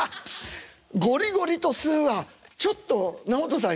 「ゴリゴリ」と「吸う」はちょっと直人さん